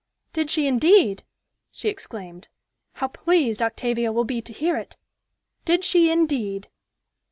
"Did she, indeed?" she exclaimed. "How pleased Octavia will be to hear it! Did she, indeed?"